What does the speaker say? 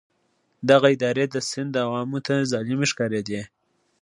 دغه ادارې د سند عوامو ته ظالمې ښکارېدې.